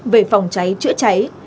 về phòng cháy chữa cháy